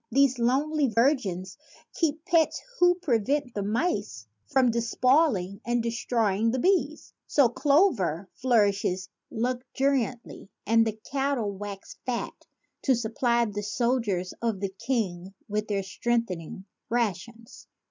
These lonely virgins keep pets who prevent the mice from despoiling and destroying the bees, so clover flourishes luxuriantly and the cattle wax fat to supply the soldiers of the king with their strengthening rations.